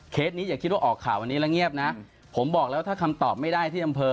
นี้อย่าคิดว่าออกข่าววันนี้แล้วเงียบนะผมบอกแล้วถ้าคำตอบไม่ได้ที่อำเภอ